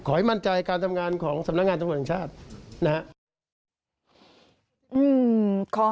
ให้มั่นใจการทำงานของสำนักงานตำรวจแห่งชาตินะครับ